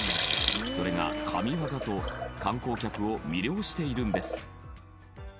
それが神業と観光客を魅了しているんです。